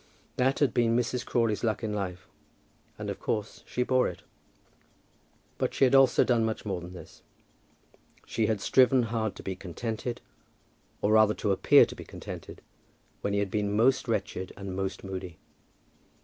That had been Mrs. Crawley's luck in life, and of course she bore it. But she had also done much more than this. She had striven hard to be contented, or, rather, to appear to be contented, when he had been most wretched and most moody.